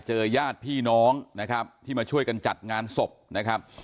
ญาติพี่น้องนะครับที่มาช่วยกันจัดงานศพนะครับ